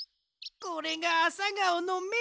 これがアサガオのめ。